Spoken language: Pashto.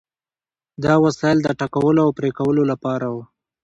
دا وسایل د ټکولو او پرې کولو لپاره وو.